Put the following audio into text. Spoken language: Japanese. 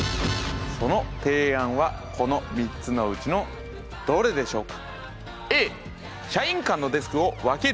その提案はこの３つのうちのどれでしょうか？